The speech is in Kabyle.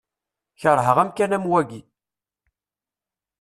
Keṛheɣ amkan am wagi.